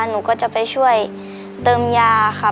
หนูก็จะไปช่วยเติมยาค่ะ